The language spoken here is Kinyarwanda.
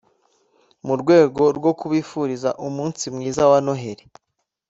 mu rwego rwo kubifuriza umunsi mwiza wa Noheli